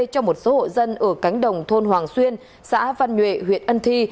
cho một số hộ dân ở cánh đồng thôn hoàng xuyên xã văn nhuệ huyện ân thi